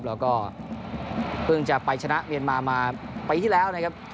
แล้วก็เพิ่งจะไปชนะเมียนมามาปีที่แล้วนะครับ